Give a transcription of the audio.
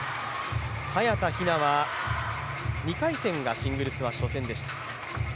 早田ひなは２回戦がシングルスは初戦でした。